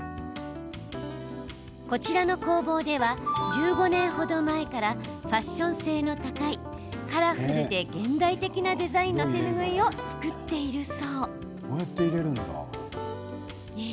こちらの工房では１５年ほど前からファッション性の高いカラフルで現代的なデザインの手ぬぐいを作っているそう。